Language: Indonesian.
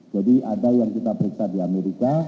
jadi ada yang kita periksa di amerika